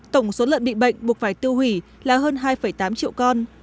tổng số lợn bị bệnh buộc phải tiêu hủy là hơn hai tám triệu con